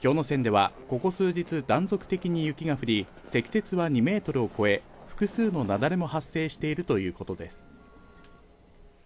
山ではここ数日、断続的に雪が降り、積雪は２メートルを超え、複数の雪崩も発生しているということです。